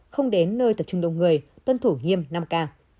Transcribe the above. không đến nơi tập trung đông người tuân thủ nghiêm năm k